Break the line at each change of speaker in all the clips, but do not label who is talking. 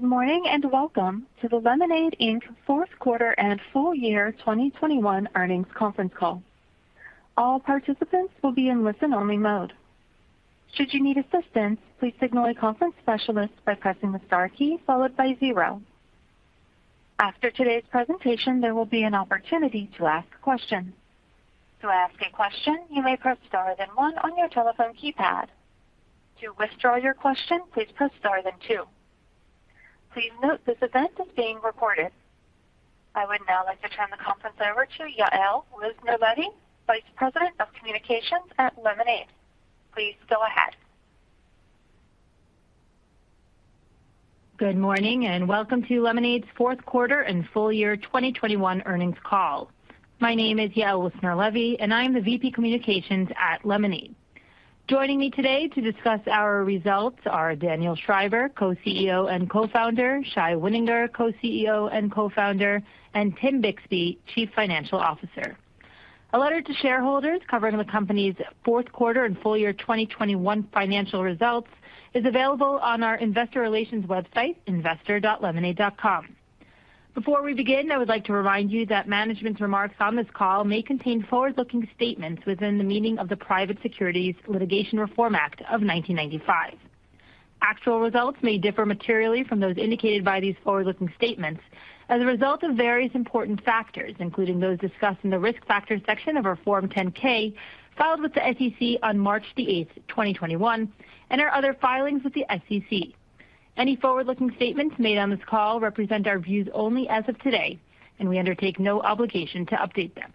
Good morning, and welcome to the Lemonade, Inc. fourth quarter and full year 2021 earnings conference call. All participants will be in listen-only mode. Should you need assistance, please signal a conference specialist by pressing the star key followed by zero. After today's presentation, there will be an opportunity to ask questions. To ask a question, you may press star then one on your telephone keypad. To withdraw your question, please press star then two. Please note this event is being recorded. I would now like to turn the conference over to Yael Wissner-Levy, Vice President of Communications at Lemonade. Please go ahead.
Good morning, and welcome to Lemonade's fourth quarter and full year 2021 earnings call. My name is Yael Wissner-Levy, and I am the VP Communications at Lemonade. Joining me today to discuss our results are Daniel Schreiber, Co-CEO and Co-Founder, Shai Wininger, Co-CEO and Co-Founder, and Tim Bixby, Chief Financial Officer. A letter to shareholders covering the company's fourth quarter and full year 2021 financial results is available on our investor relations website, investor.lemonade.com. Before we begin, I would like to remind you that management's remarks on this call may contain forward-looking statements within the meaning of the Private Securities Litigation Reform Act of 1995. Actual results may differ materially from those indicated by these forward-looking statements as a result of various important factors, including those discussed in the risk factors section of our Form 10-K filed with the SEC on March 8, 2021, and our other filings with the SEC. Any forward-looking statements made on this call represent our views only as of today, and we undertake no obligation to update them.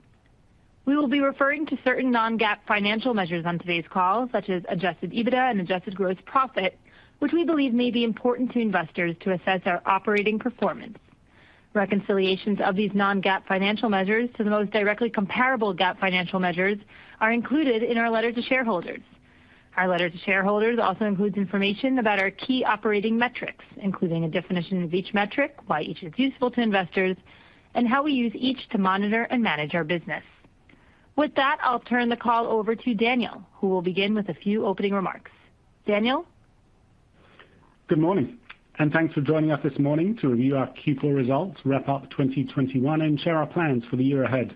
We will be referring to certain non-GAAP financial measures on today's call, such as adjusted EBITDA and adjusted gross profit, which we believe may be important to investors to assess our operating performance. Reconciliations of these non-GAAP financial measures to the most directly comparable GAAP financial measures are included in our letter to shareholders. Our letter to shareholders also includes information about our key operating metrics, including a definition of each metric, why each is useful to investors, and how we use each to monitor and manage our business. With that, I'll turn the call over to Daniel, who will begin with a few opening remarks. Daniel?
Good morning, and thanks for joining us this morning to review our Q4 results, wrap up 2021, and share our plans for the year ahead.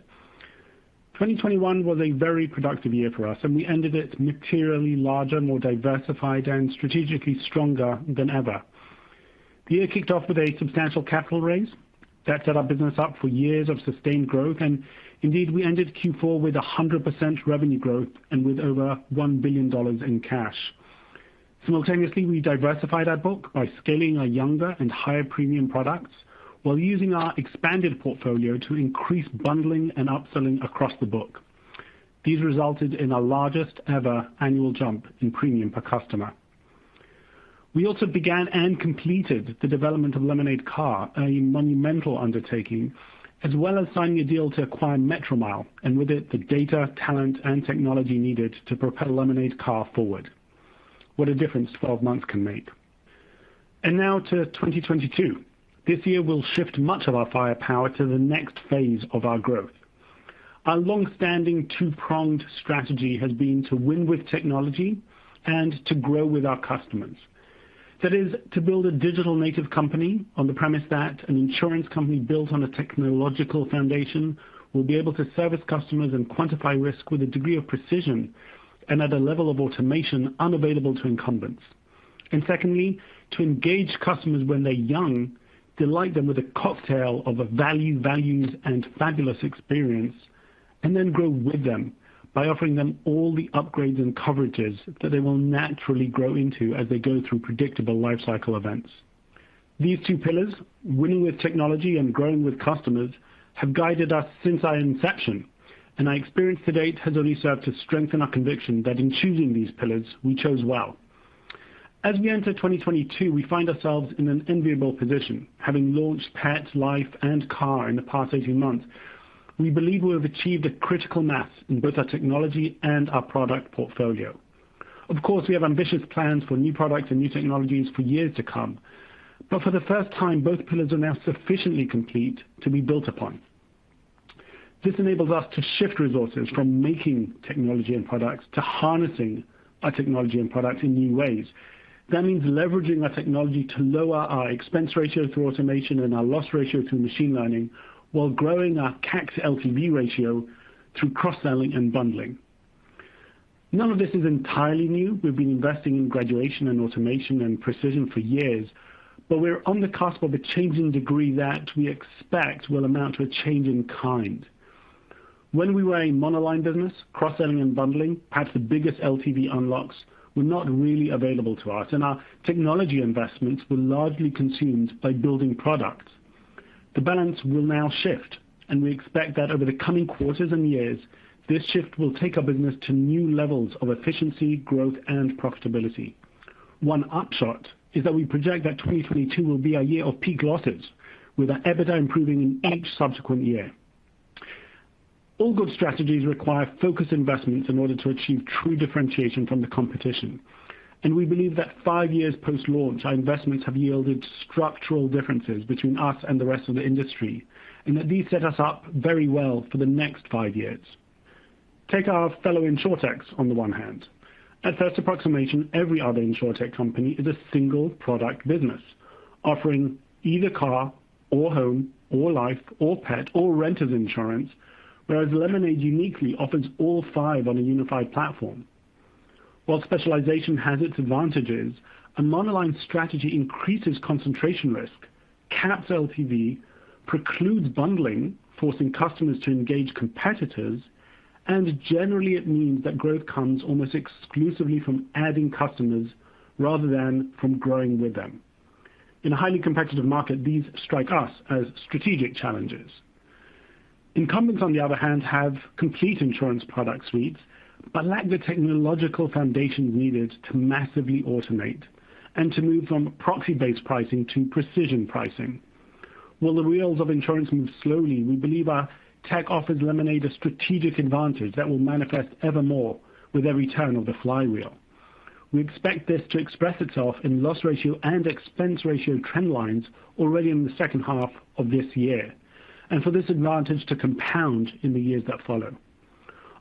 2021 was a very productive year for us, and we ended it materially larger, more diversified, and strategically stronger than ever. The year kicked off with a substantial capital raise that set our business up for years of sustained growth, and indeed, we ended Q4 with 100% revenue growth and with over $1 billion in cash. Simultaneously, we diversified our book by scaling our younger and higher premium products while using our expanded portfolio to increase bundling and upselling across the book. These resulted in our largest ever annual jump in premium per customer. We also began and completed the development of Lemonade Car, a monumental undertaking, as well as signing a deal to acquire Metromile, and with it, the data, talent, and technology needed to propel Lemonade Car forward. What a difference 12 months can make. Now to 2022. This year we'll shift much of our firepower to the next phase of our growth. Our long-standing two-pronged strategy has been to win with technology and to grow with our customers. That is to build a digital native company on the premise that an insurance company built on a technological foundation will be able to service customers and quantify risk with a degree of precision and at a level of automation unavailable to incumbents. Secondly, to engage customers when they're young, delight them with a cocktail of a value, values, and fabulous experience, and then grow with them by offering them all the upgrades and coverages that they will naturally grow into as they go through predictable lifecycle events. These two pillars, winning with technology and growing with customers, have guided us since our inception, and our experience to date has only served to strengthen our conviction that in choosing these pillars, we chose well. As we enter 2022, we find ourselves in an enviable position. Having launched Pet, Life, and Car in the past 18 months, we believe we have achieved a critical mass in both our technology and our product portfolio. Of course, we have ambitious plans for new products and new technologies for years to come. For the first time, both pillars are now sufficiently complete to be built upon. This enables us to shift resources from making technology and products to harnessing our technology and products in new ways. That means leveraging our technology to lower our expense ratio through automation and our loss ratio through machine learning while growing our CAC LTV ratio through cross-selling and bundling. None of this is entirely new. We've been investing in graduation and automation and precision for years, but we're on the cusp of a change in degree that we expect will amount to a change in kind. When we were a monoline business, cross-selling and bundling, perhaps the biggest LTV unlocks, were not really available to us, and our technology investments were largely consumed by building products. The balance will now shift, and we expect that over the coming quarters and years, this shift will take our business to new levels of efficiency, growth, and profitability. One upshot is that we project that 2022 will be a year of peak losses, with our EBITDA improving in each subsequent year. All good strategies require focused investments in order to achieve true differentiation from the competition. We believe that five years post-launch, our investments have yielded structural differences between us and the rest of the industry and that these set us up very well for the next five years. Take our fellow InsurTechs on the one hand. At first approximation, every other InsurTech company is a single product business offering either car or home or life or pet or renters insurance, whereas Lemonade uniquely offers all five on a unified platform. While specialization has its advantages, a monoline strategy increases concentration risk, caps LTV, precludes bundling, forcing customers to engage competitors, and generally it means that growth comes almost exclusively from adding customers rather than from growing with them. In a highly competitive market, these strike us as strategic challenges. Incumbents, on the other hand, have complete insurance product suites, but lack the technological foundation needed to massively automate and to move from proxy based pricing to precision pricing. While the wheels of insurance move slowly, we believe our tech offers Lemonade a strategic advantage that will manifest evermore with every turn of the flywheel. We expect this to express itself in loss ratio and expense ratio trend lines already in the second half of this year, and for this advantage to compound in the years that follow.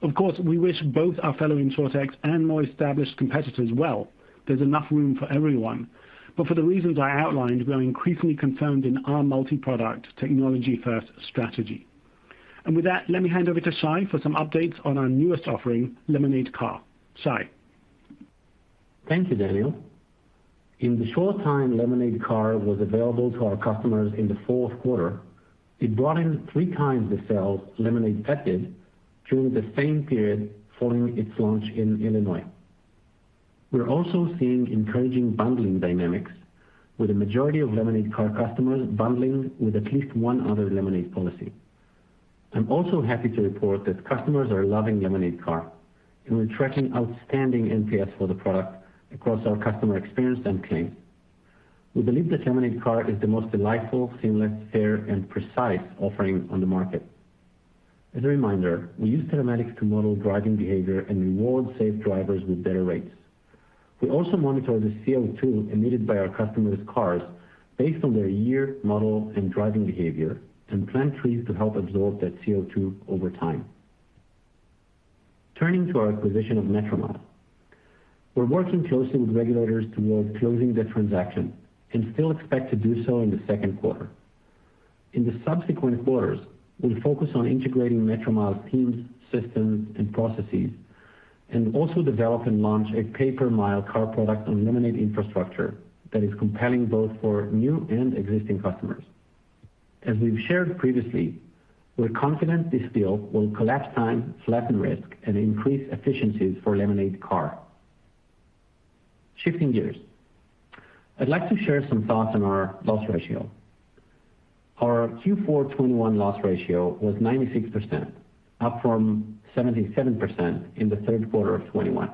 Of course, we wish both our fellow InsurTech and more established competitors well. There's enough room for everyone. For the reasons I outlined, we are increasingly confirmed in our multiproduct technology first strategy. With that, let me hand over to Shai for some updates on our newest offering, Lemonade Car. Shai.
Thank you, Daniel. In the short time Lemonade Car was available to our customers in the fourth quarter, it brought in three times the sales Lemonade Pet did during the same period following its launch in Illinois. We're also seeing encouraging bundling dynamics with the majority of Lemonade Car customers bundling with at least one other Lemonade policy. I'm also happy to report that customers are loving Lemonade Car, and we're tracking outstanding NPS for the product across our customer experience and claims. We believe that Lemonade Car is the most delightful, seamless, fair, and precise offering on the market. As a reminder, we use telematics to model driving behavior and reward safe drivers with better rates. We also monitor the CO₂ emitted by our customers' cars based on their year, model, and driving behavior, and plant trees to help absorb that CO₂ over time. Turning to our acquisition of Metromile. We're working closely with regulators towards closing the transaction and still expect to do so in the second quarter. In the subsequent quarters, we'll focus on integrating Metromile's teams, systems, and processes, and also develop and launch a pay per mile car product on Lemonade infrastructure that is compelling both for new and existing customers. As we've shared previously, we're confident this deal will collapse time, flatten risk, and increase efficiencies for Lemonade Car. Shifting gears. I'd like to share some thoughts on our loss ratio. Our Q4 2021 loss ratio was 96%, up from 77% in the third quarter of 2021.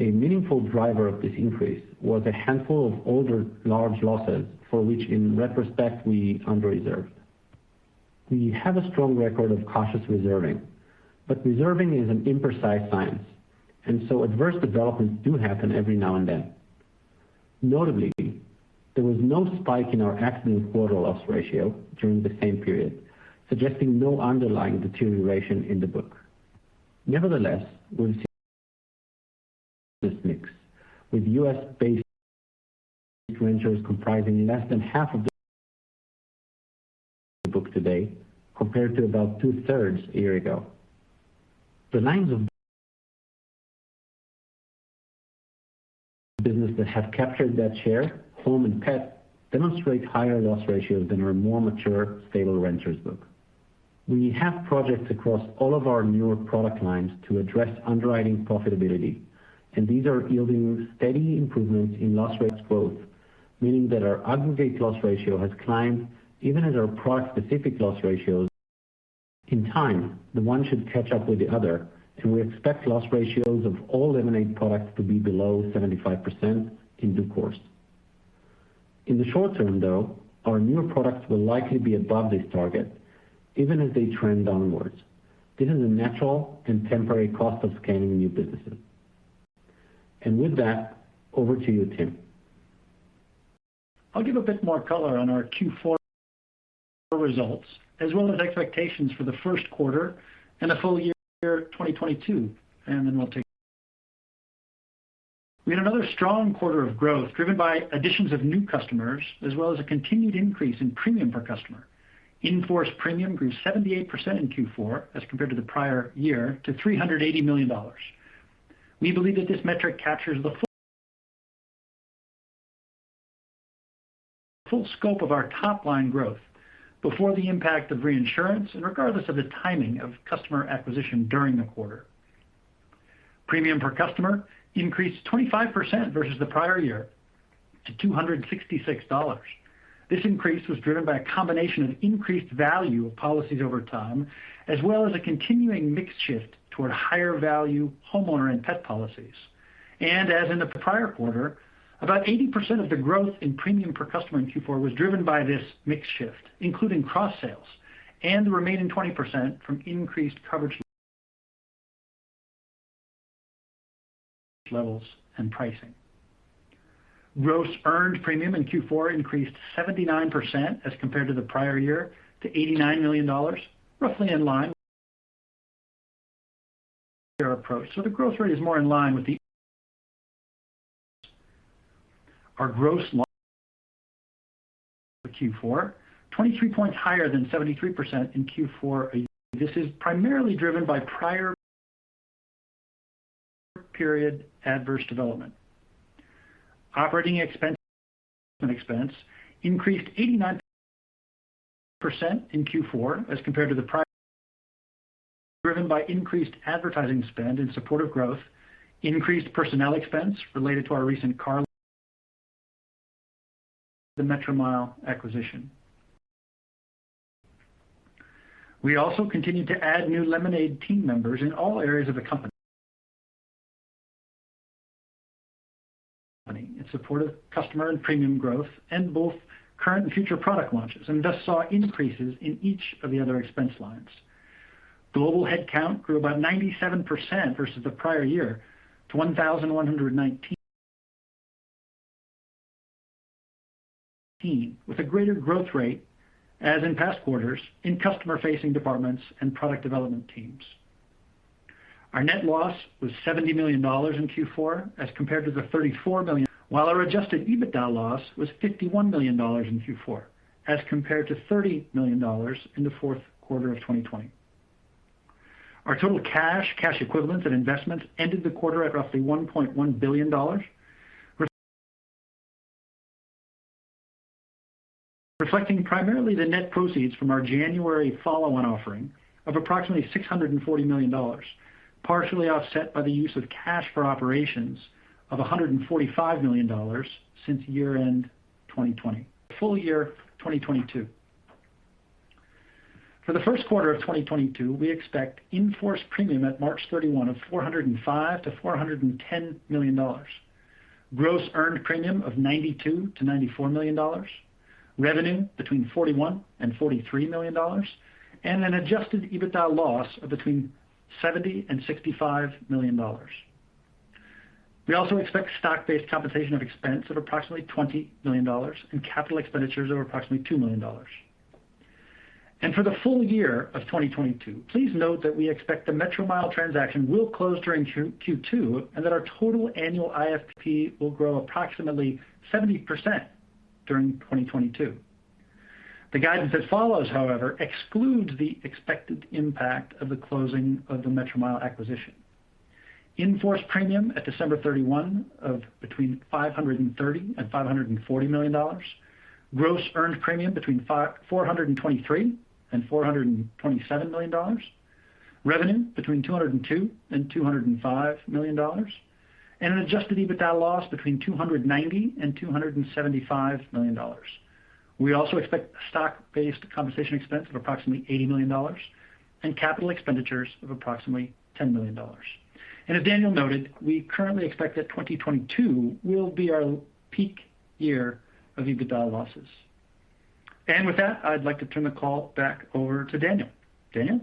A meaningful driver of this increase was a handful of older large losses for which in retrospect, we under-reserved. We have a strong record of cautious reserving, but reserving is an imprecise science, and so adverse developments do happen every now and then. Notably, there was no spike in our accident year loss ratio during the same period, suggesting no underlying deterioration in the book. Nevertheless, we're seeing this mix with U.S. based renters comprising less than half of the book today compared to about two-thirds a year ago. The lines of business that have captured that share, home and pet, demonstrate higher loss ratios than our more mature, stable renters book. We have projects across all of our newer product lines to address underwriting profitability, and these are yielding steady improvements in loss ratio growth, meaning that our aggregate loss ratio has climbed even as our product-specific loss ratios. In time, the one should catch up with the other, and we expect loss ratios of all Lemonade products to be below 75% in due course. In the short term, though, our newer products will likely be above this target even as they trend downwards. This is a natural and temporary cost of scaling new businesses. With that, over to you, Tim.
I'll give a bit more color on our Q4 results as well as expectations for the first quarter and the full year 2022. We had another strong quarter of growth driven by additions of new customers as well as a continued increase in premium per customer. In-force premium grew 78% in Q4 as compared to the prior year to $380 million. We believe that this metric captures the full scope of our top line growth before the impact of reinsurance and regardless of the timing of customer acquisition during the quarter. Premium per customer increased 25% versus the prior year to $266. This increase was driven by a combination of increased value of policies over time, as well as a continuing mix shift toward higher value homeowners and pet policies. As in the prior quarter, about 80% of the growth in premium per customer in Q4 was driven by this mix shift, including cross sales and the remaining 20% from increased coverage. Levels and pricing. Gross earned premium in Q4 increased 79% as compared to the prior year to $89 million, roughly in line approach. The growth rate is more in line with the. Our loss ratio in Q4 was 23 points higher than 73% in Q4 a year ago. This is primarily driven by prior period adverse development. Operating expenses increased 89% in Q4 as compared to the prior, driven by increased advertising spend in support of growth, increased personnel expense related to our recent car, the Metromile acquisition. We also continued to add new Lemonade team members in all areas of the company in support of customer and premium growth and both current and future product launches, and thus saw increases in each of the other expense lines. Global headcount grew about 97% versus the prior year to 1,119. With a greater growth rate as in past quarters in customer-facing departments and product development teams. Our net loss was $70 million in Q4 as compared to the $34 million, while our Adjusted EBITDA loss was $51 million in Q4 as compared to $30 million in the fourth quarter of 2020. Our total cash equivalents and investments ended the quarter at roughly $1.1 billion, reflecting primarily the net proceeds from our January follow-on offering of approximately $640 million, partially offset by the use of cash for operations of $145 million since year-end 2020. Full year 2022. For the first quarter of 2022, we expect in-force premium at March 31 of $405 million-$410 million. Gross earned premium of $92 million-$94 million, revenue between $41 million and $43 million, and an adjusted EBITDA loss of between $70 million and $65 million. We also expect stock-based compensation expense of approximately $20 million and capital expenditures of approximately $2 million. For the full year of 2022, please note that we expect the Metromile transaction will close during Q2, and that our total annual IFP will grow approximately 70% during 2022. The guidance that follows, however, excludes the expected impact of the closing of the Metromile acquisition. In-force premium at December 31 of between $530 million and $540 million. Gross earned premium between $423 million and $427 million. Revenue between $202 million and $205 million. An adjusted EBITDA loss between $290 million and $275 million. We also expect stock-based compensation expense of approximately $80 million and capital expenditures of approximately $10 million. As Daniel noted, we currently expect that 2022 will be our peak year of EBITDA losses. With that, I'd like to turn the call back over to Daniel. Daniel?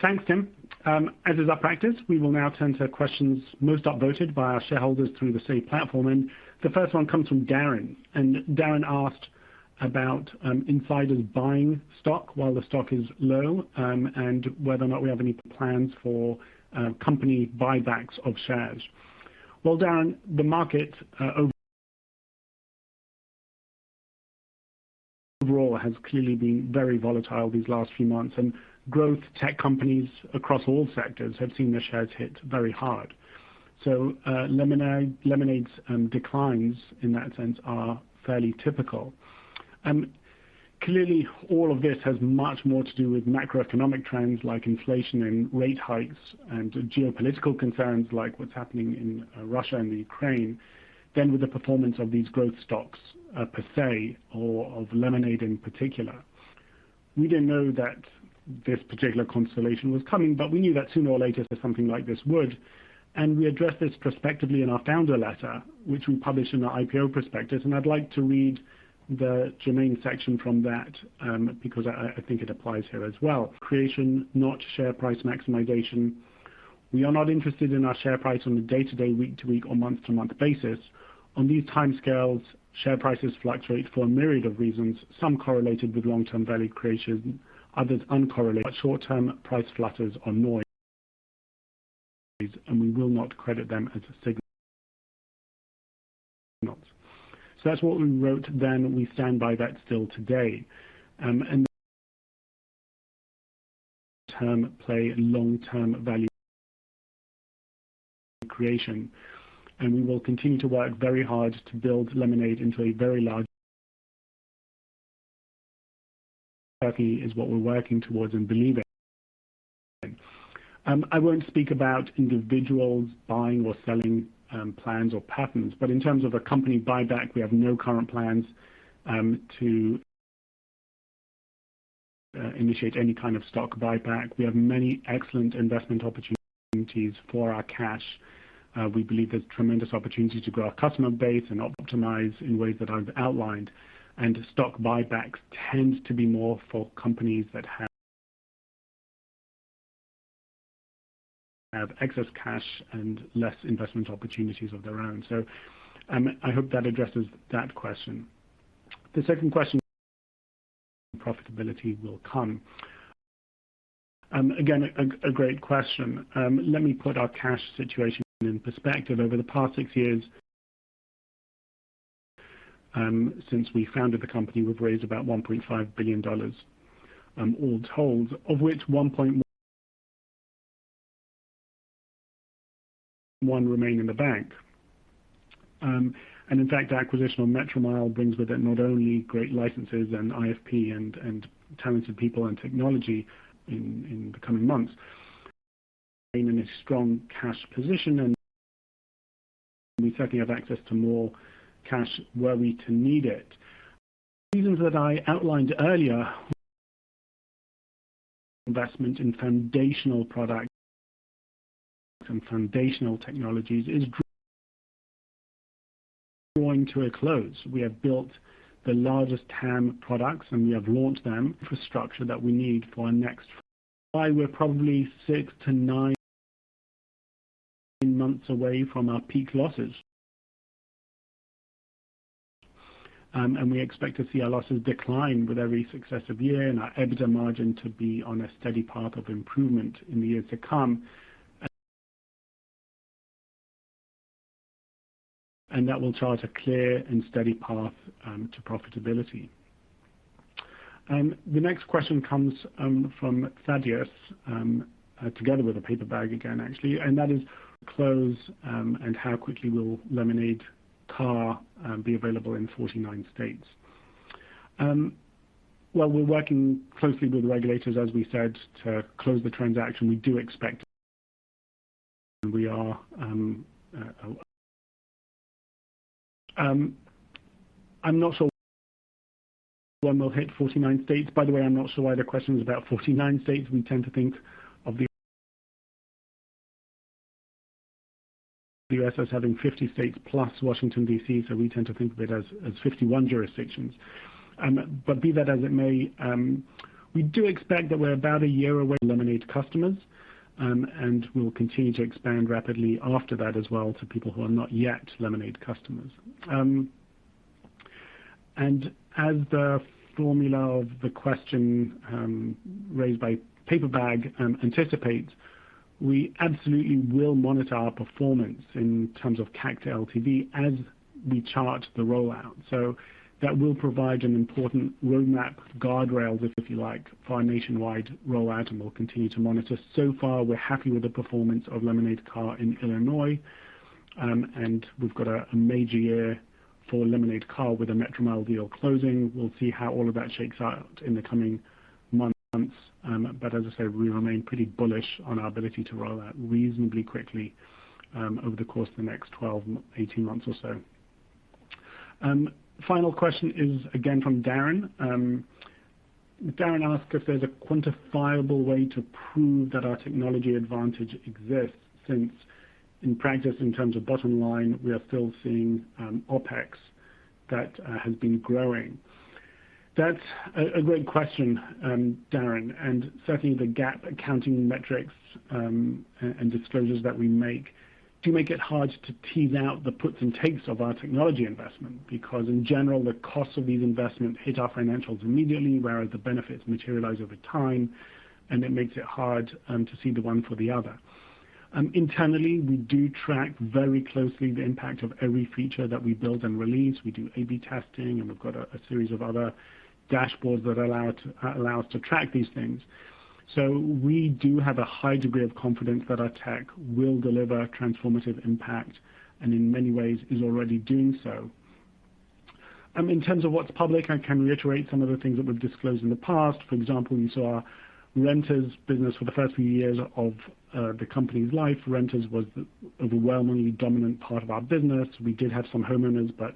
Thanks, Tim. As is our practice, we will now turn to questions most upvoted by our shareholders through the same platform. The first one comes from Darren. Darren asked about, insiders buying stock while the stock is low, and whether or not we have any plans for, company buybacks of shares. Well, Darren, the market overall has clearly been very volatile these last few months, and growth tech companies across all sectors have seen their shares hit very hard. Lemonade's declines in that sense are fairly typical. Clearly all of this has much more to do with macroeconomic trends like inflation and rate hikes and geopolitical concerns like what's happening in, Russia and the Ukraine than with the performance of these growth stocks, per se or of Lemonade in particular. We didn't know that this particular constellation was coming, but we knew that sooner or later that something like this would. We addressed this prospectively in our founder letter, which we published in our IPO prospectus, and I'd like to read the germane section from that, because I think it applies here as well. Creation, not share price maximization. We are not interested in our share price on a day to day, week to week or month to month basis. On these timescales, share prices fluctuate for a myriad of reasons, some correlated with long-term value creation, others uncorrelated. Short term price flutters are noise, and we will not credit them as a signal. That's what we wrote then. We stand by that still today. In terms of long-term value creation, we will continue to work very hard to build Lemonade into a very large. It is what we're working towards and believe in. I won't speak about individuals buying or selling plans or patterns. In terms of a company buyback, we have no current plans to initiate any kind of stock buyback. We have many excellent investment opportunities for our cash. We believe there's tremendous opportunity to grow our customer base and optimize in ways that I've outlined. Stock buybacks tend to be more for companies that have excess cash and less investment opportunities of their own. I hope that addresses that question. The second question, profitability will come. Again, a great question. Let me put our cash situation in perspective. Over the past six years, since we founded the company, we've raised about $1.5 billion, all told, of which $1.1 billion remains in the bank. In fact, the acquisition of Metromile brings with it not only great licenses and IFP and talented people and technology in the coming months. We remain in a strong cash position, and we certainly have access to more cash were we to need it. For the reasons that I outlined earlier, investment in foundational products and foundational technologies is drawing to a close. We have built the largest TAM products, and we have launched them. Infrastructure that we need for our next. We're probably six to nine months away from our peak losses. We expect to see our losses decline with every successive year and our EBITDA margin to be on a steady path of improvement in the years to come. That will chart a clear and steady path to profitability. The next question comes from Thaddeus together with a Paper Bag again, actually. That is close and how quickly will Lemonade Car be available in 49 states? Well, we're working closely with regulators, as we said, to close the transaction. We do expect. I'm not sure when we'll hit 49 states. By the way, I'm not sure why the question is about 49 states. We tend to think of the U.S. as having 50 states plus Washington, D.C., so we tend to think of it as 51 jurisdictions. Be that as it may, we do expect that we're about a year away from Lemonade customers, and we'll continue to expand rapidly after that as well to people who are not yet Lemonade customers. As the formulation of the question raised by Paper Bag anticipates, we absolutely will monitor our performance in terms of CAC to LTV as we chart the rollout. That will provide an important roadmap, guardrails if you like, for our nationwide rollout, and we'll continue to monitor. So far we're happy with the performance of Lemonade Car in Illinois. We've got a major year for Lemonade Car with the Metromile deal closing. We'll see how all of that shakes out in the coming months. As I say, we remain pretty bullish on our ability to roll out reasonably quickly over the course of the next 12-18 months or so. Final question is again from Darren. Darren asks if there's a quantifiable way to prove that our technology advantage exists since in practice in terms of bottom line, we are still seeing OpEx that has been growing. That's a great question, Darren, and certainly the GAAP accounting metrics and disclosures that we make do make it hard to tease out the puts and takes of our technology investment. Because in general, the costs of these investments hit our financials immediately whereas the benefits materialize over time, and it makes it hard to see the one for the other. Internally, we do track very closely the impact of every feature that we build and release. We do A/B testing, and we've got a series of other dashboards that allow us to track these things. We do have a high degree of confidence that our tech will deliver transformative impact and in many ways is already doing so. In terms of what's public, I can reiterate some of the things that we've disclosed in the past. For example, you saw our renters business for the first few years of the company's life. Renters was the overwhelmingly dominant part of our business. We did have some homeowners, but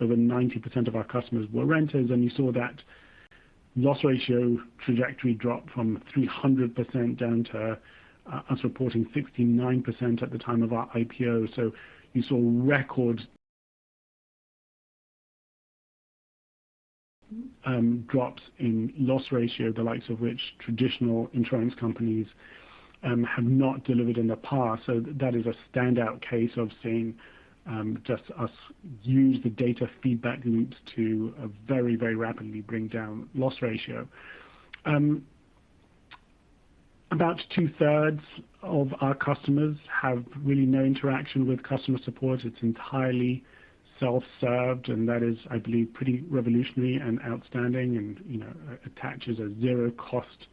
over 90% of our customers were renters, and you saw that loss ratio trajectory drop from 300% down to us reporting 69% at the time of our IPO. You saw record drops in loss ratio, the likes of which traditional insurance companies have not delivered in the past. That is a standout case of seeing just us use the data feedback loops to very, very rapidly bring down loss ratio. About two-thirds of our customers have really no interaction with customer support. It's entirely self-served, and that is, I believe pretty revolutionary and outstanding and, you know, attaches a zero cost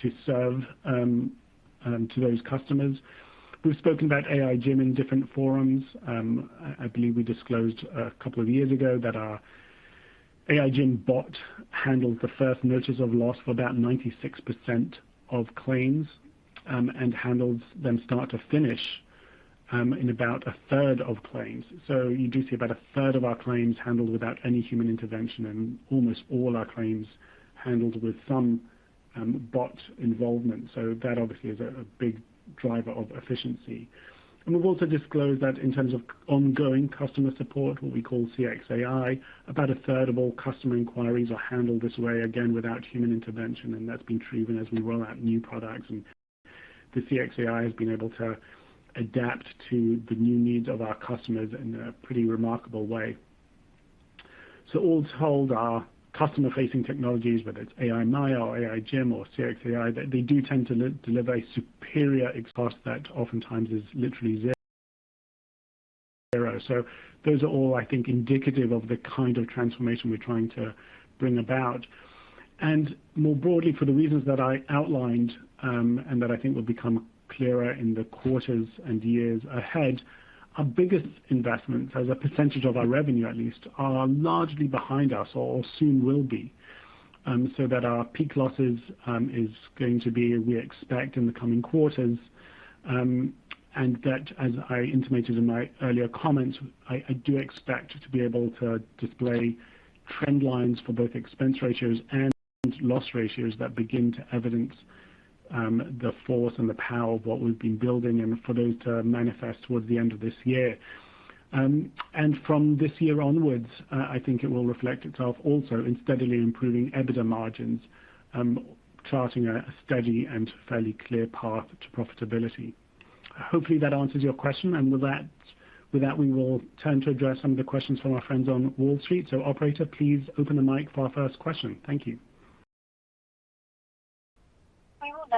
to serve to those customers. We've spoken about AI Jim in different forums. I believe we disclosed a couple of years ago that our AI Jim bot handles the first notice of loss for about 96% of claims and handles them start to finish in about a third of claims. You do see about a third of our claims handled without any human intervention and almost all our claims handled with some bot involvement. That obviously is a big driver of efficiency. We've also disclosed that in terms of ongoing customer support, what we call CXAI, about a third of all customer inquiries are handled this way, again, without human intervention. That's been true even as we roll out new products and the CXAI has been able to adapt to the new needs of our customers in a pretty remarkable way. All told, our customer-facing technologies, whether it's AI Maya or AI Jim or CXAI, they do tend to deliver a superior experience that oftentimes is literally zero. Those are all, I think, indicative of the kind of transformation we're trying to bring about. More broadly, for the reasons that I outlined, and that I think will become clearer in the quarters and years ahead. Our biggest investments as a percentage of our revenue at least are largely behind us or soon will be. That our peak losses is going to be, we expect in the coming quarters. That, as I intimated in my earlier comments, I do expect to be able to display trend lines for both expense ratios and loss ratios that begin to evidence the force and the power of what we've been building and for those to manifest towards the end of this year. From this year onwards, I think it will reflect itself also in steadily improving EBITDA margins, charting a steady and fairly clear path to profitability. Hopefully, that answers your question. With that, we will turn to address some of the questions from our friends on Wall Street. Operator, please open the mic for our first question. Thank you.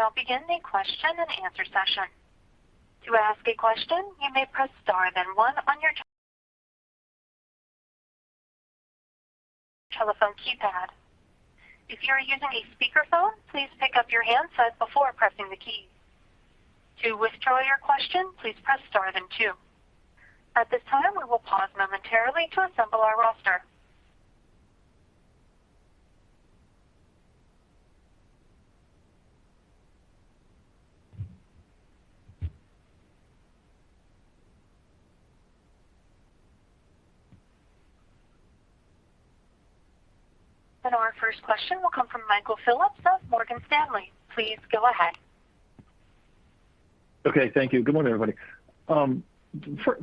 We will now begin the question-and-answer session. To ask a question, you may press star then one on your telephone keypad. If you are using a speakerphone, please pick up your handset before pressing the key. To withdraw your question, please press star then two. At this time, we will pause momentarily to assemble our roster. Our first question will come from Michael Phillips of Morgan Stanley. Please go ahead.
Okay, thank you. Good morning, everybody.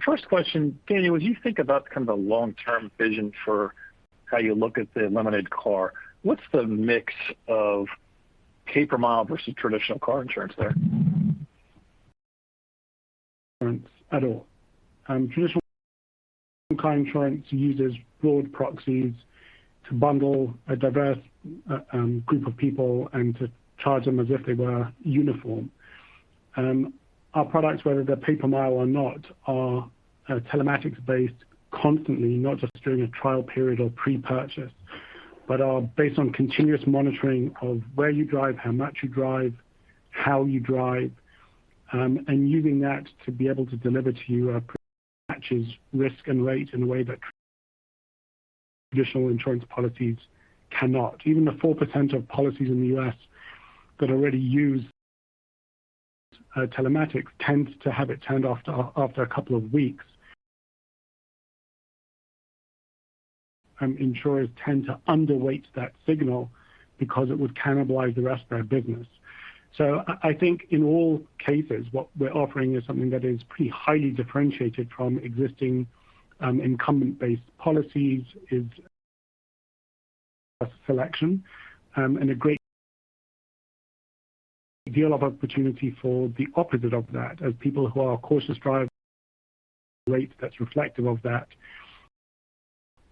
First question. Daniel, as you think about kind of the long-term vision for how you look at the Lemonade Car, what's the mix of pay-per-mile versus traditional car insurance there?
At all. Traditional car insurance uses broad proxies to bundle a diverse group of people and to charge them as if they were uniform. Our products, whether they're pay-per-mile or not, are telematics-based constantly, not just during a trial period or pre-purchase, but are based on continuous monitoring of where you drive, how much you drive, how you drive, and using that to be able to deliver to you a better match of risk and rate in a way that traditional insurance policies cannot. Even the 4% of policies in the U.S. that already use telematics tend to have it turned off after a couple of weeks. Insurers tend to underweight that signal because it would cannibalize the rest of their business. I think in all cases, what we're offering is something that is pretty highly differentiated from existing, incumbent-based policies, is selection, and a great deal of opportunity for the opposite of that as people who are cautious drivers rate that's reflective of that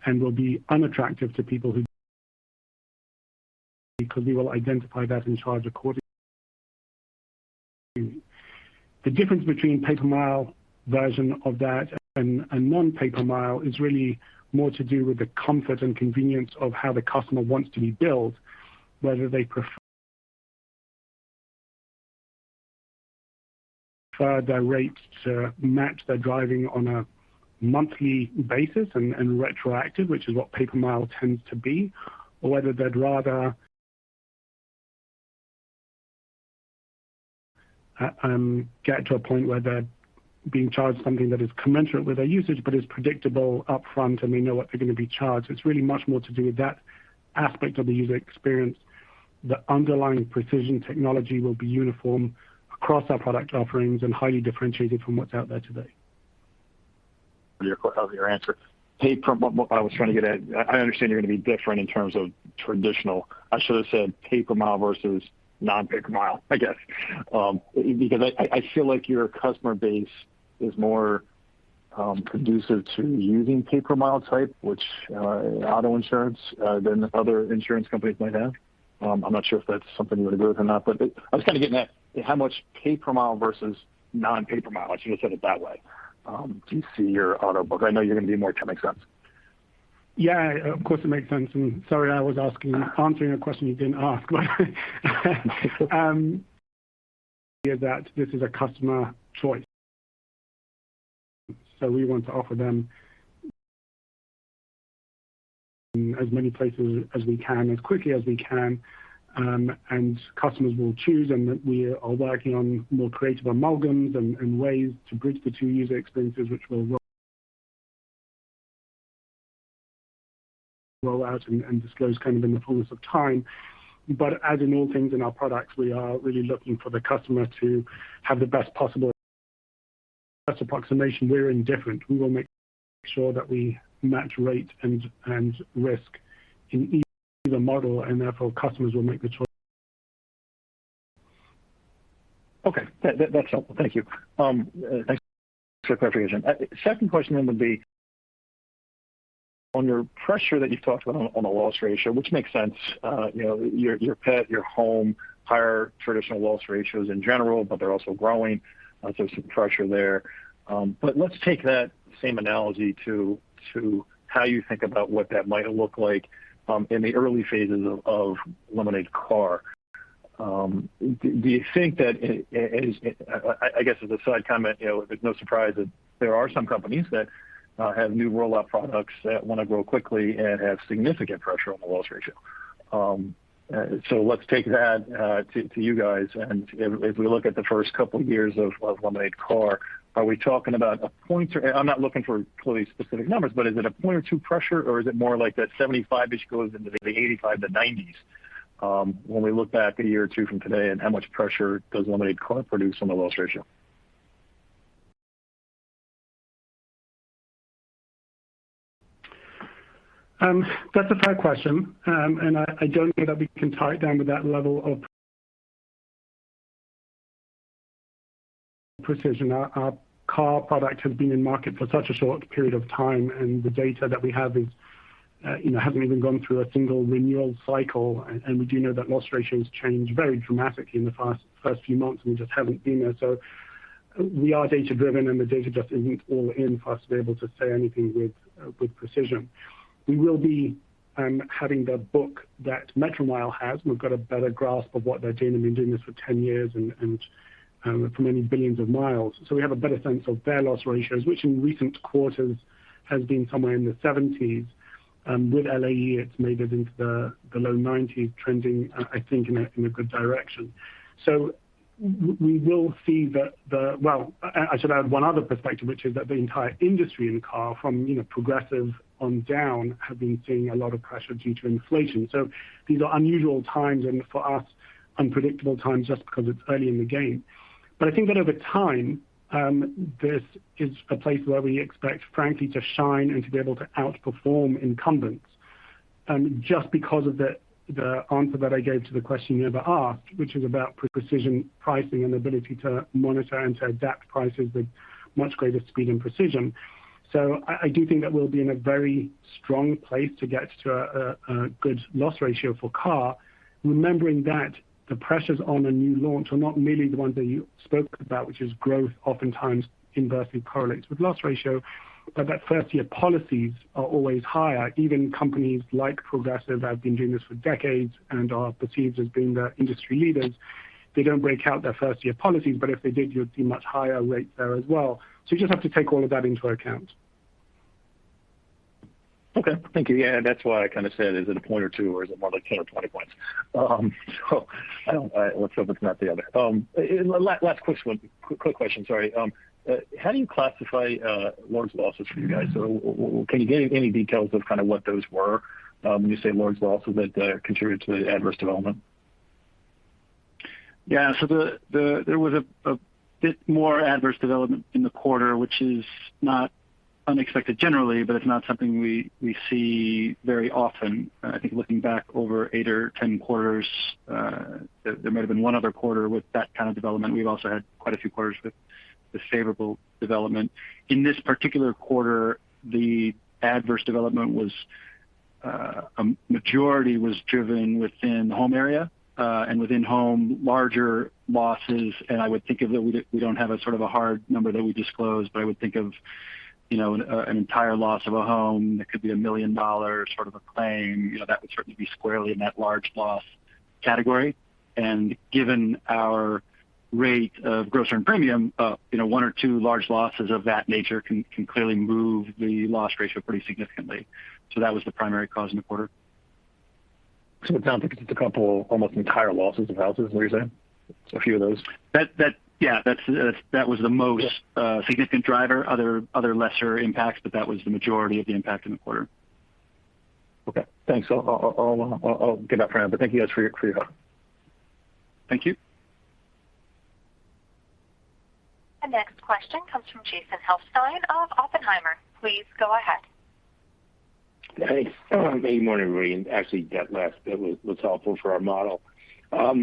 and will be unattractive to people who, because we will identify that and charge accordingly. The difference between pay-per-mile version of that and non-pay-per-mile is really more to do with the comfort and convenience of how the customer wants to be billed, whether they prefer their rates to match their driving on a monthly basis and retroactive, which is what pay-per-mile tends to be, or whether they'd rather get to a point where they're being charged something that is commensurate with their usage but is predictable upfront, and they know what they're gonna be charged. It's really much more to do with that aspect of the user experience. The underlying precision technology will be uniform across our product offerings and highly differentiated from what's out there today.
Of your answer. What I was trying to get at, I understand you're gonna be different in terms of traditional. I should have said pay-per-mile versus non-pay-per-mile, I guess. Because I feel like your customer base is more conducive to using pay-per-mile type auto insurance than other insurance companies might have. I'm not sure if that's something you wanna go with or not, but I was kinda getting at how much pay-per-mile versus non-pay-per-mile. I should have said it that way. Do you see your auto book? I know you're gonna be more, if that makes sense.
Yeah, of course, it makes sense. Sorry, I was answering a question you didn't ask, but that this is a customer choice. We want to offer them as many places as we can as quickly as we can, and customers will choose. We are working on more creative amalgams and ways to bridge the two user experiences which we'll roll out and disclose kind of in the fullness of time. As in all things in our products, we are really looking for the customer to have the best possible. That's an approximation. We're indifferent. We will make sure that we match rate and risk in each of the model, and therefore, customers will make the choice.
Okay. That's helpful. Thank you. Thanks for clarification. Second question would be on your pressure that you've talked about on the loss ratio, which makes sense, you know, your pet, your home, higher traditional loss ratios in general, but they're also growing. Some pressure there. Let's take that same analogy to how you think about what that might look like in the early phases of Lemonade Car. I guess as a side comment, you know, it's no surprise that there are some companies that have new rollout products that wanna grow quickly and have significant pressure on the loss ratio. Let's take that to you guys. If we look at the first couple years of Lemonade Car, are we talking about a point or two pressure, or is it more like that 75%-ish goes into the 85%-90s%, when we look back a year or two from today and how much pressure does Lemonade Car produce on the loss ratio?
That's a fair question. I don't know that we can tie it down with that level of precision. Our car product has been in market for such a short period of time, and the data that we have is, you know, hasn't even gone through a single renewal cycle. We do know that loss ratios change very dramatically in the first few months, and we just haven't been there. We are data-driven, and the data just isn't all in for us to be able to say anything with precision. We will be having the book that Metromile has. We've got a better grasp of what they're doing. They've been doing this for 10 years and for many billions of miles. We have a better sense of their loss ratios, which in recent quarters has been somewhere in the 70s%. With LAE, it's made it into the low 90s% trending, I think, in a good direction. Well, I should add one other perspective, which is that the entire industry in car from, you know, Progressive on down have been seeing a lot of pressure due to inflation. These are unusual times and for us, unpredictable times just because it's early in the game. I think that over time, this is a place where we expect frankly to shine and to be able to outperform incumbents, just because of the answer that I gave to the question you never asked, which is about precise pricing and the ability to monitor and to adapt prices with much greater speed and precision. I do think that we'll be in a very strong place to get to a good loss ratio for Car, remembering that the pressures on a new launch are not merely the ones that you spoke about, which is growth oftentimes inversely correlates with loss ratio. First year policies are always higher. Even companies like Progressive have been doing this for decades and are perceived as being the industry leaders. They don't break out their first year policies, but if they did, you'd see much higher rates there as well. You just have to take all of that into account.
Okay. Thank you. Yeah, that's why I kind of said, is it a point or two or is it more like 10 or 20 points? Let's hope it's not the other. Last quick one, quick question, sorry. How do you classify large losses for you guys? Can you give any details of kind of what those were, when you say large losses that contributed to the adverse development?
Yeah. There was a bit more adverse development in the quarter, which is not unexpected generally, but it's not something we see very often. I think looking back over eight or 10 quarters, there may have been one other quarter with that kind of development. We've also had quite a few quarters with the favorable development. In this particular quarter, the adverse development was, a majority was driven within home area, and within home, larger losses, I would think of. We don't have a sort of a hard number that we disclose, but I would think of, you know, an entire loss of a home. That could be a $1 million sort of a claim. You know, that would certainly be squarely in that large loss category. Given our rate of growth in premium, you know, one or two large losses of that nature can clearly move the loss ratio pretty significantly. That was the primary cause in the quarter.
It sounds like it's a couple almost entire losses of houses is what you're saying? A few of those.
Yeah. That was the most-
Yeah.
Significant driver. Other lesser impacts, but that was the majority of the impact in the quarter.
Okay. Thanks. I'll get off your line. Thank you guys for your help.
Thank you.
The next question comes from Jason Helfstein of Oppenheimer. Please go ahead.
Good morning, everybody. Actually, that last bit was helpful for our model. As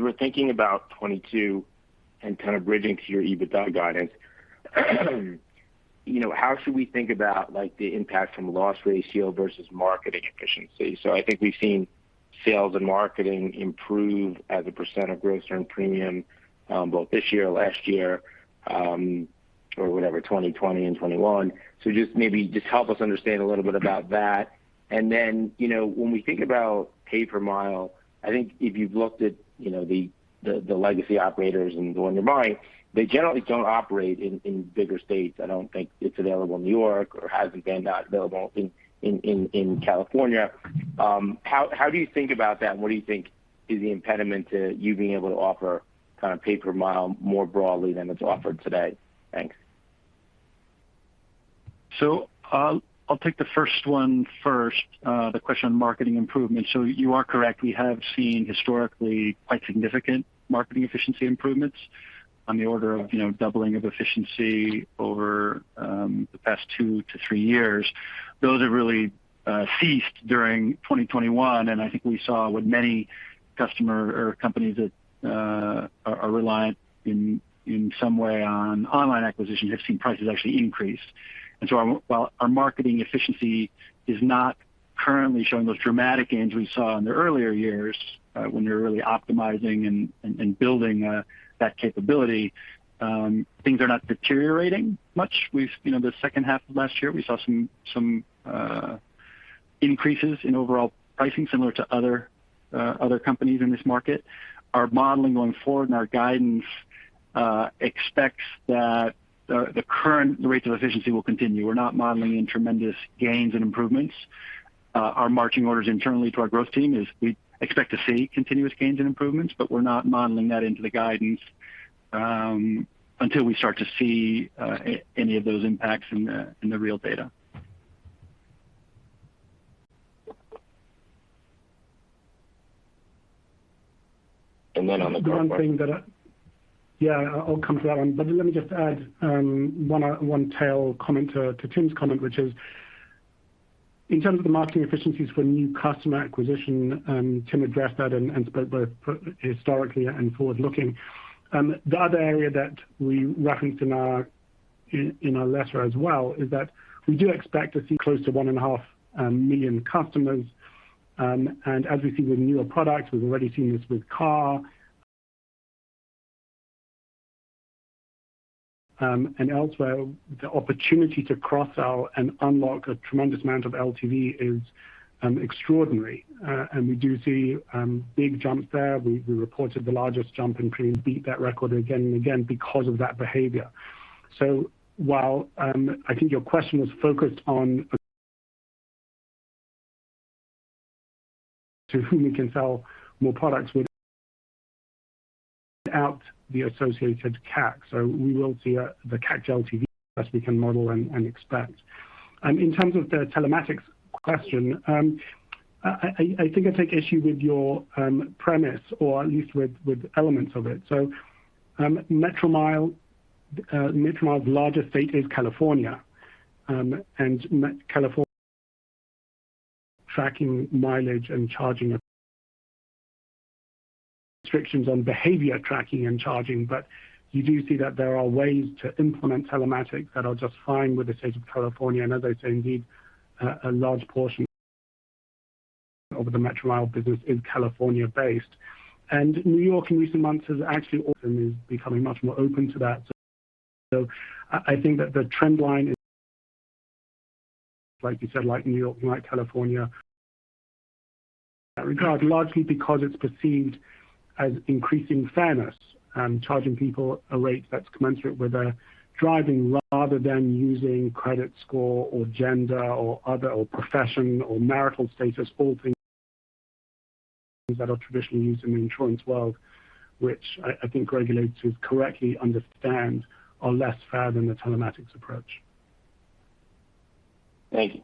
we're thinking about 2022 and kind of bridging to your EBITDA guidance, you know, how should we think about like the impact from loss ratio versus marketing efficiency? I think we've seen sales and marketing improve as a percent of gross earned premium, both this year, last year, or whatever, 2020 and 2021. Just maybe help us understand a little bit about that. And then, you know, when we think about pay per mile, I think if you've looked at, you know, the legacy operators and the one you're buying, they generally don't operate in bigger states. I don't think it's available in New York or has it been available in California. How do you think about that and what do you think is the impediment to you being able to offer kind of pay per mile more broadly than it's offered today? Thanks.
I'll take the first one first, the question on marketing improvements. You are correct. We have seen historically quite significant marketing efficiency improvements on the order of doubling of efficiency over the past two to three years. Those have really ceased during 2021. I think we saw with many customers or companies that are reliant in some way on online acquisitions have seen prices actually increase. While our marketing efficiency is not currently showing those dramatic gains we saw in the earlier years, when we were really optimizing and building that capability, things are not deteriorating much. The second half of last year, we saw some increases in overall pricing similar to other companies in this market. Our modeling going forward and our guidance expects that the current rates of efficiency will continue. We're not modeling any tremendous gains and improvements. Our marching orders internally to our growth team is we expect to see continuous gains and improvements, but we're not modeling that into the guidance until we start to see any of those impacts in the real data. Then on the growth part.
Yeah, I'll come to that one. Let me just add one tail comment to Tim's comment, which is in terms of the marketing efficiencies for new customer acquisition. Tim addressed that and spoke both historically and forward-looking. The other area that we referenced in our letter as well is that we do expect to see close to 1.5 million customers. As we see with newer products, we've already seen this with Car and elsewhere, the opportunity to cross-sell and unlock a tremendous amount of LTV is extraordinary. We do see big jumps there. We reported the largest jump in premium, beat that record again and again because of that behavior. While I think your question was focused on to whom we can sell more products without the associated CAC. We will see the CAC LTV as best we can model and expect. In terms of the telematics question, I think I take issue with your premise or at least with elements of it. Metromile's largest state is California, and California has restrictions on tracking mileage and behavior tracking and charging. You do see that there are ways to implement telematics that are just fine with the state of California. As I say, indeed, a large portion of the Metromile business is California-based. New York in recent months has actually become much more open to that. I think that the trend line, like you said, like New York, like California are regarded largely because it's perceived as increasing fairness. Charging people a rate that's commensurate with their driving rather than using credit score or gender or other or profession or marital status, all things that are traditionally used in the insurance world, which I think regulators correctly understand are less fair than the telematics approach.
Thank you.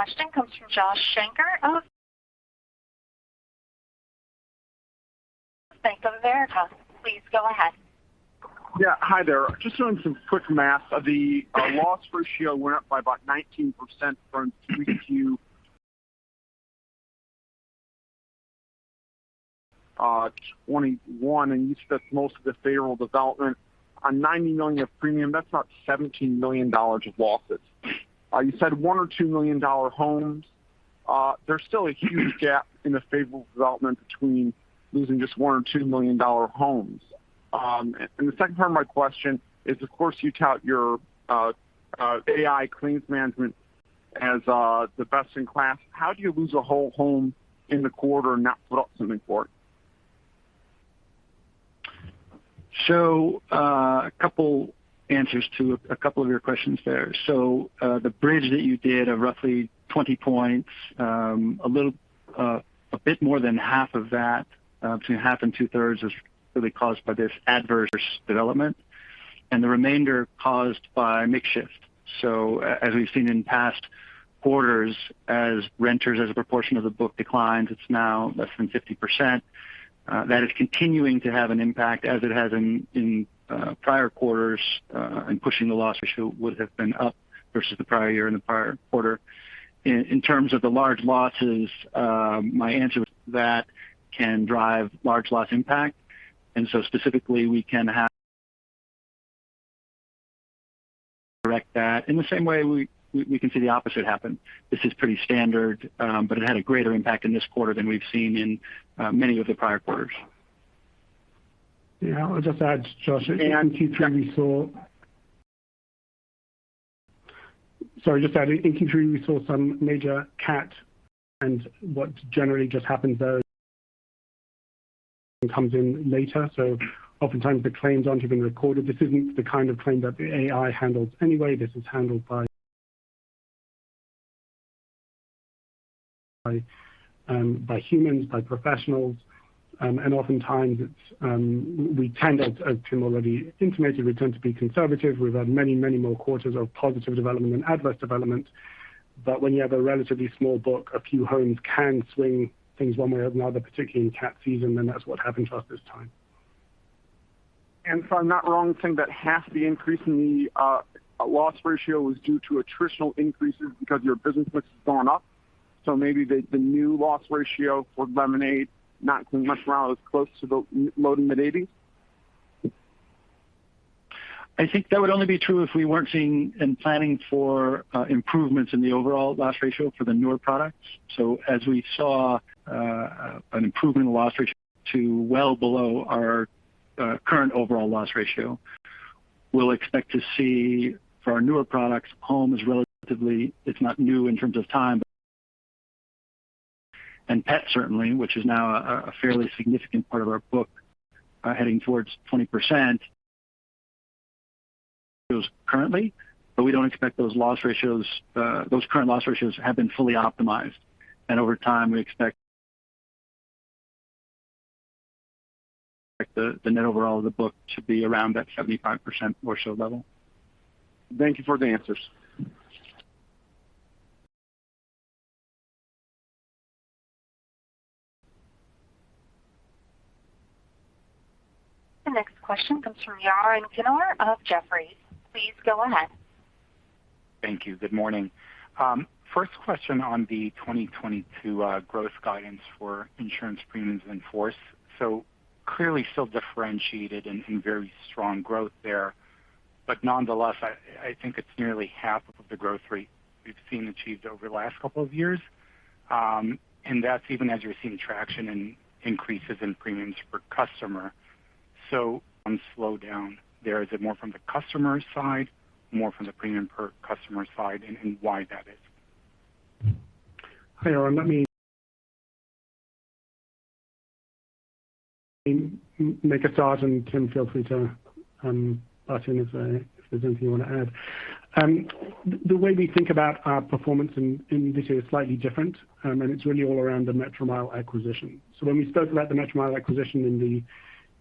The next question comes from Josh Shanker of Bank of America. Please go ahead.
Yeah, hi there. Just doing some quick math. The loss ratio went up by about 19% from 3Q 2021, and you said most of this favorable development. On 90 million of premium, that's about $17 million of losses. You said $1 million-$2 million homes. There's still a huge gap in the favorable development between losing just $1 million-$2 million homes. The second part of my question is, of course, you tout your AI claims management as the best in class. How do you lose a whole home in the quarter and not put up something for it?
A couple answers to a couple of your questions there. The bridge that you did of roughly 20 points, a little, a bit more than half of that, between half and two thirds is really caused by this adverse development and the remainder caused by mix shift. As we've seen in past quarters, as renters as a proportion of the book declines, it's now less than 50%. That is continuing to have an impact as it has in prior quarters, and pushing the loss ratio would have been up versus the prior year and the prior quarter. In terms of the large losses, my answer was that can drive large loss impact. Specifically, we can correct that. In the same way we can see the opposite happen. This is pretty standard, but it had a greater impact in this quarter than we've seen in many of the prior quarters.
Yeah. I'll just add, Josh, in Q3 we saw some major CAT, and what generally just happens there comes in later. Oftentimes the claims aren't even recorded. This isn't the kind of claim that the AI handles anyway. This is handled by humans, by professionals. And oftentimes it's we tend, as Tim already intimated, to be conservative. We've had many, many more quarters of positive development than adverse development. When you have a relatively small book, a few homes can swing things one way or another, particularly in cat season, and that's what happened to us this time.
If I'm not wrong, saying that half the increase in the loss ratio was due to attritional increases because your business mix has gone up. Maybe the new loss ratio for Lemonade is not much around as close to the low-to-mid 80%?
I think that would only be true if we weren't seeing and planning for improvements in the overall loss ratio for the newer products. As we saw an improvement in loss ratio to well below our current overall loss ratio, we'll expect to see for our newer products. Home is relatively, it's not new in terms of time. Pet, certainly, which is now a fairly significant part of our book heading towards 20%. It was currently, but we don't expect those loss ratios, those current loss ratios have been fully optimized. Over time, we expect the net overall of the book to be around that 75% or so level.
Thank you for the answers.
The next question comes from Yaron Kinar of Jefferies. Please go ahead.
Thank you. Good morning. First question on the 2022 growth guidance for insurance premiums in force. Clearly still differentiated and in very strong growth there. Nonetheless, I think it's nearly half of the growth rate we've seen achieved over the last couple of years. And that's even as you're seeing traction and increases in premiums per customer. On slow down there, is it more from the customer side, more from the premium per customer side, and why that is?
Hi, Yaron. Let me make a start, and Tim, feel free to butt in if there's anything you want to add. The way we think about our performance in this year is slightly different, and it's really all around the Metromile acquisition. When we spoke about the Metromile acquisition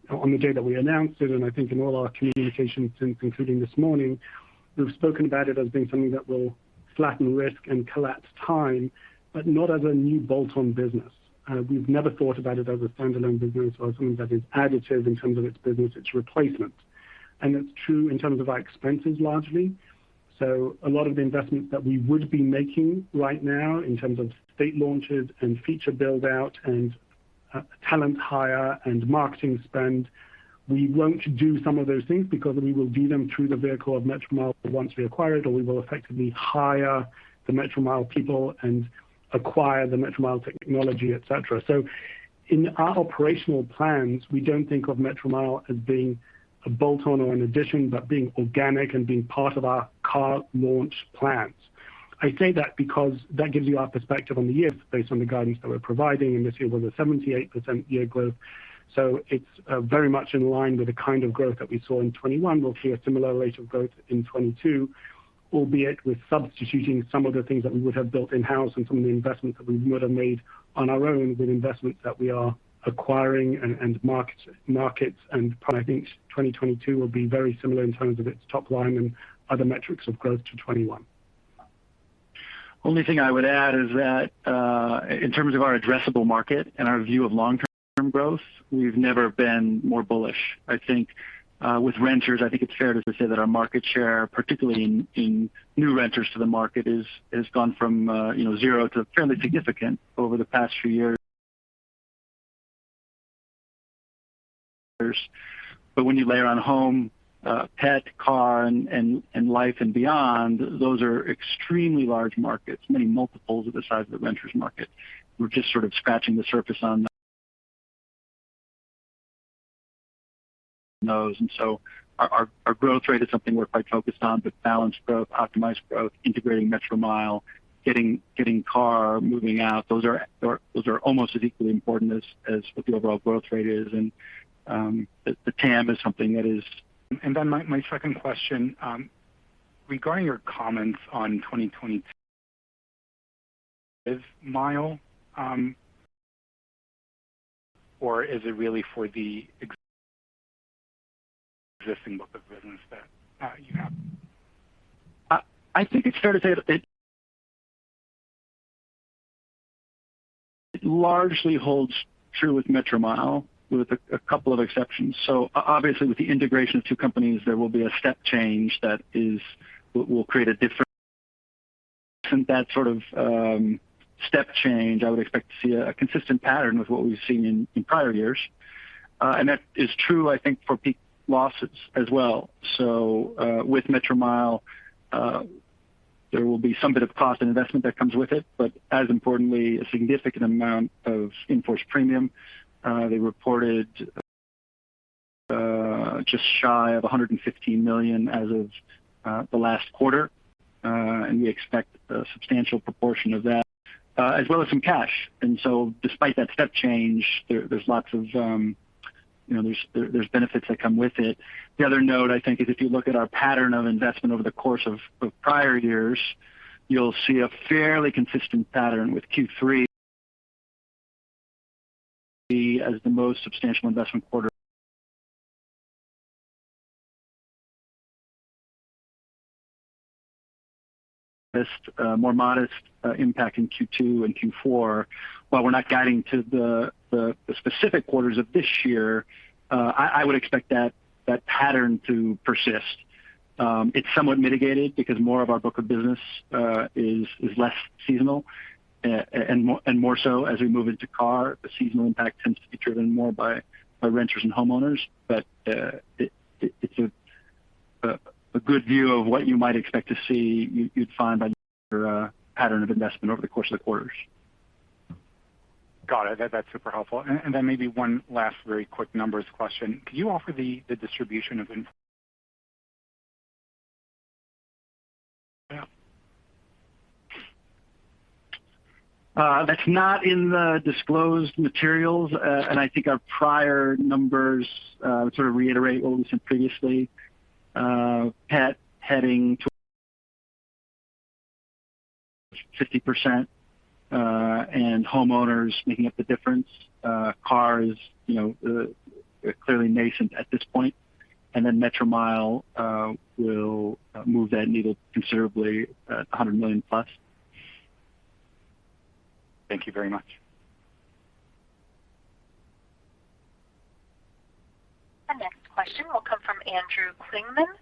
on the day that we announced it, and I think in all our communications since, including this morning, we've spoken about it as being something that will flatten risk and collapse time, but not as a new bolt-on business. We've never thought about it as a standalone business or something that is additive in terms of its business, it's replacement. It's true in terms of our expenses, largely. A lot of the investment that we would be making right now in terms of state launches and feature build-out and talent hire and marketing spend, we won't do some of those things because we will do them through the vehicle of Metromile once we acquire it, or we will effectively hire the Metromile people and acquire the Metromile technology, et cetera. In our operational plans, we don't think of Metromile as being a bolt-on or an addition, but being organic and being part of our Car launch plans. I say that because that gives you our perspective on the year based on the guidance that we're providing, and this year was a 78% year growth. It's very much in line with the kind of growth that we saw in 2021. We'll see a similar rate of growth in 2022, albeit with substituting some of the things that we would have built in-house and some of the investments that we would have made on our own with investments that we are acquiring and markets and products. I think 2022 will be very similar in terms of its top line and other metrics of growth to 2021.
Only thing I would add is that in terms of our addressable market and our view of long-term growth, we've never been more bullish. I think with renters, I think it's fair to say that our market share, particularly in new renters to the market, has gone from you know, zero to fairly significant over the past few years. When you layer on Home, Pet, Car and Life and Beyond, those are extremely large markets, many multiples of the size of the renters market. We're just sort of scratching the surface on those. Our growth rate is something we're quite focused on, but balanced growth, optimized growth, integrating Metromile, getting car moving out, those are almost as equally important as what the overall growth rate is. The TAM is something that is-
My second question regarding your comments on 2022 Metromile, or is it really for the existing book of business that you have?
I think it's fair to say it largely holds true with Metromile, with a couple of exceptions. Obviously, with the integration of two companies, there will be a step change that will create a different that sort of step change. I would expect to see a consistent pattern with what we've seen in prior years. That is true, I think, for peak losses as well. With Metromile, there will be some bit of cost and investment that comes with it, but as importantly, a significant amount of in-force premium. They reported just shy of $115 million as of the last quarter. We expect a substantial proportion of that as well as some cash. Despite that step change, there's lots of You know, there's benefits that come with it. The other note, I think, is if you look at our pattern of investment over the course of prior years, you'll see a fairly consistent pattern with Q3 as the most substantial investment quarter. Just more modest impact in Q2 and Q4. While we're not guiding to the specific quarters of this year, I would expect that pattern to persist. It's somewhat mitigated because more of our book of business is less seasonal, and more so as we move into car. The seasonal impact tends to be driven more by our renters and homeowners. It's a good view of what you might expect to see. You'd find by your pattern of investment over the course of the quarters.
Got it. That's super helpful. Then maybe one last very quick numbers question. Could you offer the distribution of in.
That's not in the disclosed materials. I think our prior numbers sort of reiterate what we said previously. Pet heading to 50%, and homeowners making up the difference. Cars, you know, are clearly nascent at this point. Metromile will move that needle considerably at $100 million+.
Thank you very much.
The next question will come from Andrew Kligerman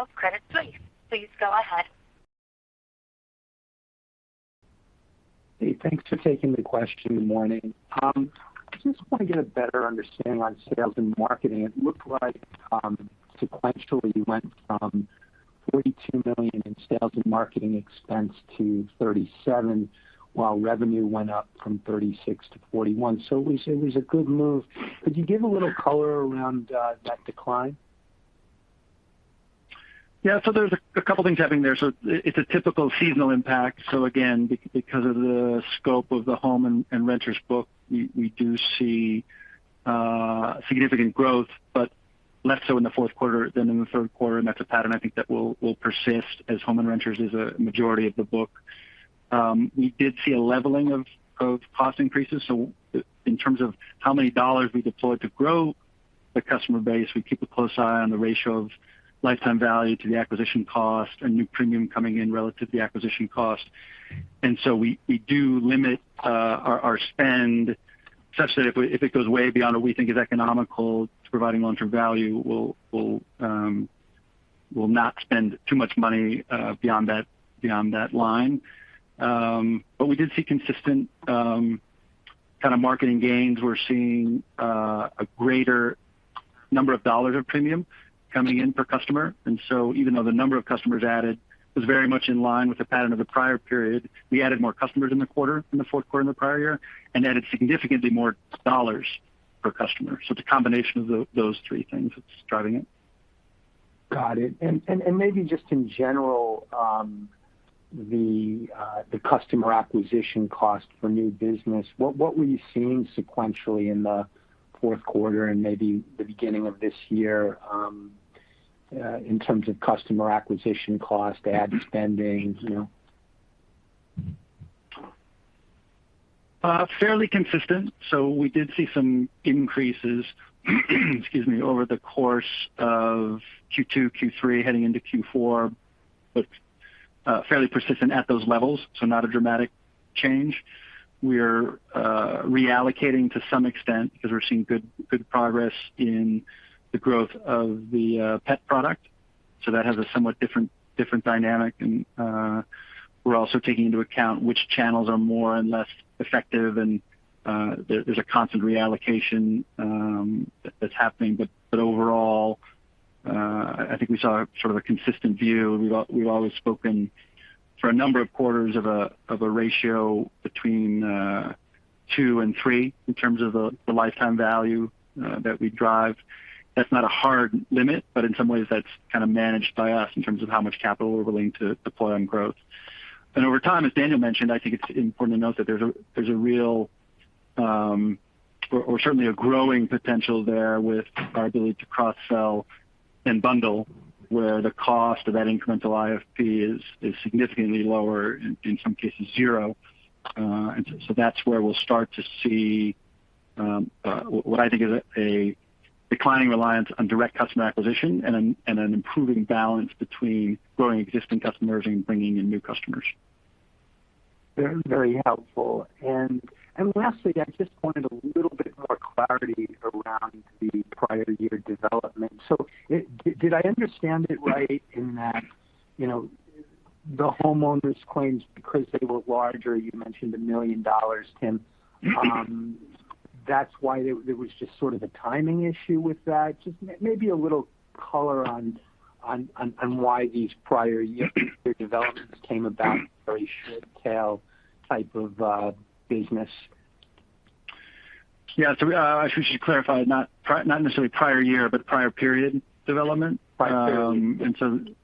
of Credit Suisse. Please go ahead.
Hey, thanks for taking the question. Good morning. I just want to get a better understanding on sales and marketing. It looked like sequentially you went from $42 million in sales and marketing expense to $37 million, while revenue went up from $36 million to $41 million. We say it was a good move. Could you give a little color around that decline?
Yeah. There's a couple things happening there. It's a typical seasonal impact. Again, because of the scope of the home and renters book, we do see significant growth, but less so in the fourth quarter than in the third quarter. That's a pattern I think that will persist as home and renters is a majority of the book. We did see a leveling of growth cost increases. In terms of how many dollars we deployed to grow the customer base, we keep a close eye on the ratio of lifetime value to the acquisition cost and new premium coming in relative to the acquisition cost. We do limit our spend such that if it goes way beyond what we think is economical to providing long-term value, we'll not spend too much money beyond that line. But we did see consistent kind of marketing gains. We're seeing a greater number of dollars of premium coming in per customer. Even though the number of customers added was very much in line with the pattern of the prior period, we added more customers in the quarter, in the fourth quarter in the prior year, and added significantly more dollars per customer. It's a combination of those three things that's driving it.
Got it. Maybe just in general, the customer acquisition cost for new business, what were you seeing sequentially in the fourth quarter and maybe the beginning of this year, in terms of customer acquisition cost, ad spending, you know?
Fairly consistent. We did see some increases, excuse me, over the course of Q2, Q3, heading into Q4, but fairly persistent at those levels, so not a dramatic change. We're reallocating to some extent because we're seeing good progress in the growth of the pet product. That has a somewhat different dynamic. We're also taking into account which channels are more and less effective. There's a constant reallocation that's happening. Overall, I think we saw sort of a consistent view. We've always spoken for a number of quarters of a ratio between two and three in terms of the lifetime value that we drive. That's not a hard limit, but in some ways that's kind of managed by us in terms of how much capital we're willing to deploy on growth. Over time, as Daniel mentioned, I think it's important to note that there's a real, or certainly a growing potential there with our ability to cross-sell and bundle where the cost of that incremental IFP is significantly lower, in some cases zero. That's where we'll start to see what I think is a declining reliance on direct customer acquisition and an improving balance between growing existing customers and bringing in new customers.
Very, very helpful. Lastly, I just wanted a little bit more clarity around the prior year development. Did I understand it right in that, you know, the homeowners claims because they were larger, you mentioned $1 million, Tim, that's why there was just sort of a timing issue with that. Just maybe a little color on why these prior year developments came about very short tail type of business.
I should clarify, not necessarily prior year, but prior period development.
Prior period.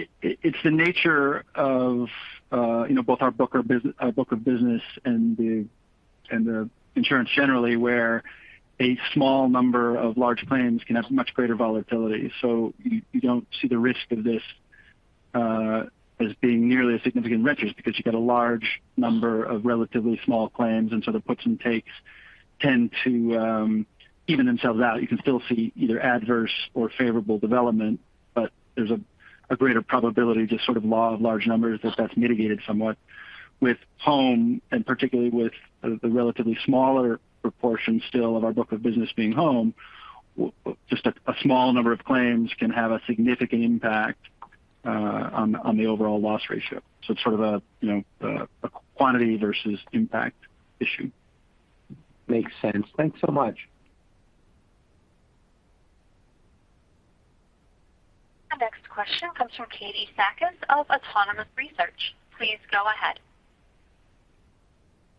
It's the nature of, you know, both our book of business and the insurance generally, where a small number of large claims can have much greater volatility. You don't see the risk of this as being nearly as significant in reinsurance because you get a large number of relatively small claims, and the puts and takes tend to even themselves out. You can still see either adverse or favorable development, but there's a greater probability, just sort of law of large numbers, that that's mitigated somewhat. With home, and particularly with the relatively smaller proportion still of our book of business being home, just a small number of claims can have a significant impact on the overall loss ratio. It's sort of a, you know, a quantity versus impact issue.
Makes sense. Thanks so much.
Our next question comes from Katie Sakys of Autonomous Research. Please go ahead.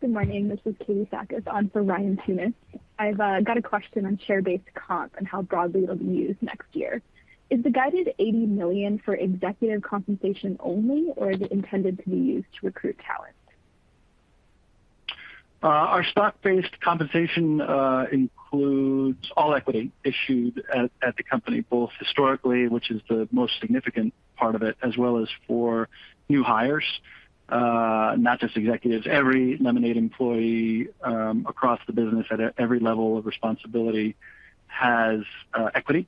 Good morning. This is Katie Sakys on for Ryan Tunis. I've got a question on share-based comp and how broadly it'll be used next year. Is the guided $80 million for executive compensation only, or is it intended to be used to recruit talent?
Our stock-based compensation includes all equity issued at the company, both historically, which is the most significant part of it, as well as for new hires, not just executives. Every Lemonade employee across the business at every level of responsibility has equity.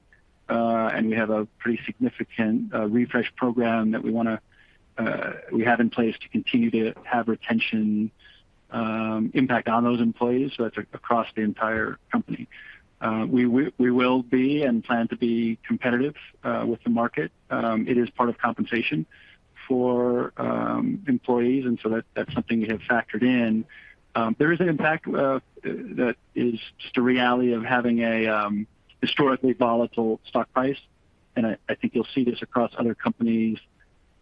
We have a pretty significant refresh program that we have in place to continue to have retention impact on those employees. That's across the entire company. We will be and plan to be competitive with the market. It is part of compensation for employees, and that's something we have factored in. There is an impact that is just a reality of having a historically volatile stock price, and I think you'll see this across other companies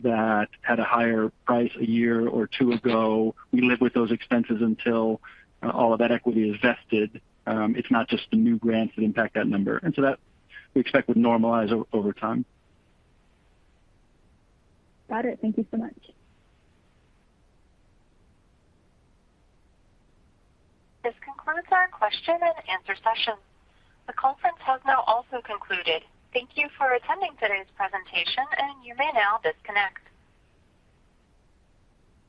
that had a higher price a year or two ago. We live with those expenses until all of that equity is vested. It's not just the new grants that impact that number. That we expect would normalize over time.
Got it. Thank you so much.
This concludes our question-and answer session. The conference has now also concluded. Thank you for attending today's presentation, and you may now disconnect.